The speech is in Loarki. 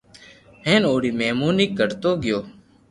ھين او رو مھموني ڪرتو گيو